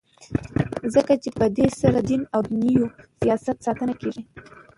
ځکه چي په دی سره ددین او دینوي سیاست ساتنه کیږي.